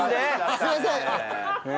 すいません。